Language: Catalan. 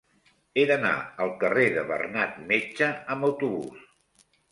He d'anar al carrer de Bernat Metge amb autobús.